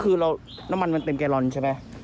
คือน้ำมันมันเต็มแกลอนใช่ไหม